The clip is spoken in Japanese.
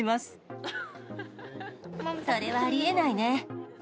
それはありえないね。